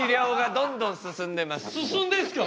進んでんすか！？